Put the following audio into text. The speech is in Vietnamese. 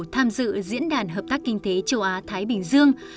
tham dự diễn đàn hợp tác kinh tế châu á thái bình dương